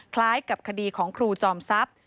คล้ายกับคดีของครูจอมทรัพย์